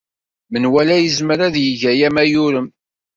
Menwala yezmer ad yeg aya ma yurem.